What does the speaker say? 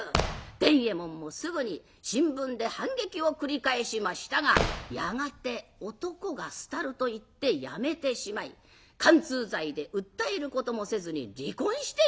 伝右衛門もすぐに新聞で反撃を繰り返しましたがやがて男が廃るといってやめてしまい姦通罪で訴えることもせずに離婚してやりました。